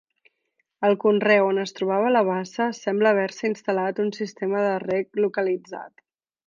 Al conreu on es trobava la bassa sembla haver-se instal·lat un sistema de reg localitzat.